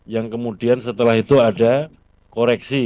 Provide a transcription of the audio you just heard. yang kemudian setelah itu ada koreksi